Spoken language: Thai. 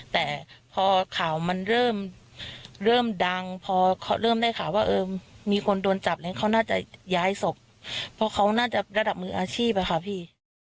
แต่พอข่าวมันเริ่มดังพอเริ่มได้ข่าวว่าเออมีคนโดนจับเนี่ยเขาน่าจะย้ายศพเพราะเขาน่าจะระดับมืออาชีพอะค่ะพี่